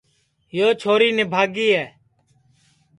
یو چھوری نِبھاگی ہے